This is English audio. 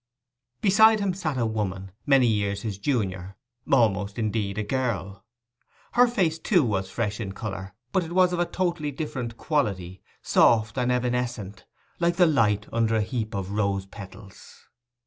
Beside him sat a woman, many years his junior—almost, indeed, a girl. Her face too was fresh in colour, but it was of a totally different quality—soft and evanescent, like the light under a heap of rose petals.